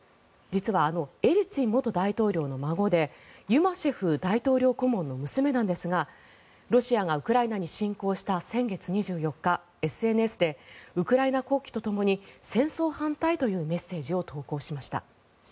実はあのエリツィン元大統領の孫でユマシェフ大統領顧問の娘なんですがロシアがウクライナに侵攻した先月２４日ＳＮＳでウクライナ国旗とともに戦争反対というメッセージを投稿しました。